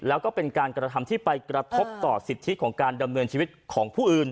แล้วก็เป็นการกระทำที่ไปกระทบต่อสิทธิของการดำเนินชีวิตของผู้อื่น